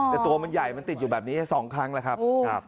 แต่ตัวมันใหญ่มันติดอยู่แบบนี้๒ครั้งแล้วครับ